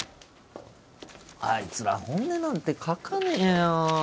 あいつら本音なんて書かねえよ